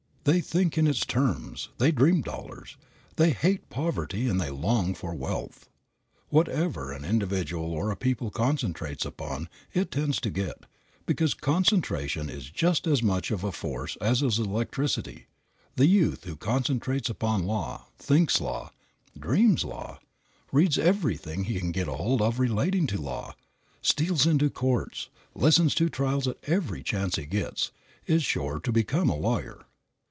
They think in its terms; they dream dollars; they hate poverty and they long for wealth. Whatever an individual or a people concentrates upon it tends to get, because concentration is just as much of a force as is electricity. The youth who concentrates upon law, thinks law, dreams law, reads everything he can get hold of relating to law, steals into courts, listens to trials at every chance he gets, is sure to become a lawyer.